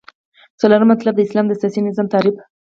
څلورم مطلب : د اسلام د سیاسی نظام تعریف